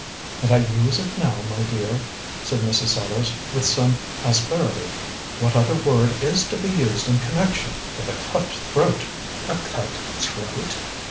"And I use it now, my dear," said Mrs. Sellars, with some asperity. "What other word is to be used in connection with a cut throat?" "A cut throat!"